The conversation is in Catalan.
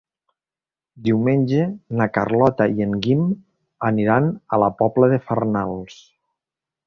Diumenge na Carlota i en Guim aniran a la Pobla de Farnals.